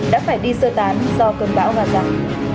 đã phải đi sơ tán do cơn bão và rắn